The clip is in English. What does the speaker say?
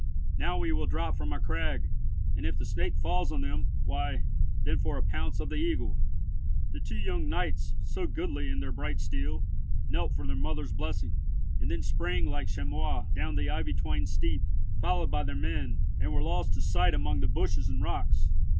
Now we will drop from our crag, and if the Snake falls on them, why, then for a pounce of the Eagle." The two young knights, so goodly in their bright steel, knelt for their mother's blessing, and then sprang like chamois down the ivy twined steep, followed by their men, and were lost to sight among the bushes and rocks.